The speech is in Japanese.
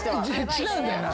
違うんだよな。